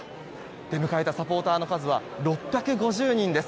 出迎えたサポーターの数は６５０人です。